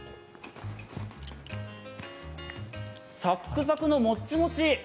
さっくさくのもっちもち